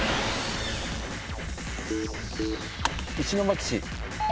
石巻市。